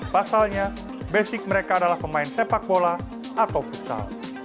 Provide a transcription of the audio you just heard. pasalnya basic mereka adalah pemain sepak bola atau futsal